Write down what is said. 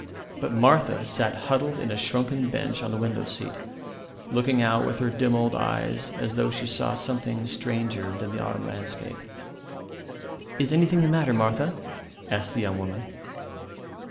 But Martha sat huddled in a shrunken bunch on the window seat, looking out with her dim old eyes as though she saw something stranger than the autumn landscape. "Is anything the matter, Martha?" asked the young woman.